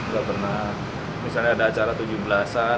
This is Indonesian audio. gak pernah misalnya ada acara tujuh belasan